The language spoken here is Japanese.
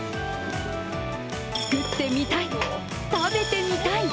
作ってみたい、食べてみたい。